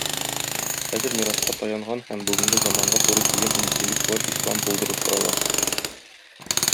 Хәзер мираска таянган һәм бүгенге заманга туры килгән интеллектуаль ислам булдыру сорала.